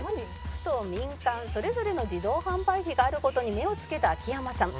「区と民間それぞれの自動販売機がある事に目をつけた秋山さん」